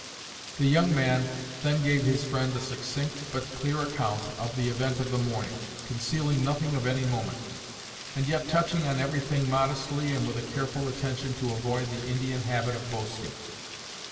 The young man then gave his friend a succinct, but clear account, of the event of the morning, concealing nothing of any moment, and yet touching on every thing modestly and with a careful attention to avoid the Indian habit of boasting.